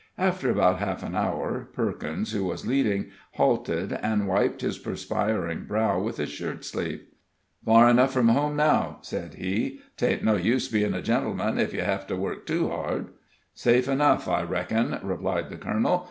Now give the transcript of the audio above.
After about half an hour, Perkins, who was leading, halted, and wiped his perspiring brow with his shirt sleeve. "Far enough from home now," said he. "'Tain't no use bein' a gentleman ef yer hev to work too hard." "Safe enough, I reckon," replied the colonel.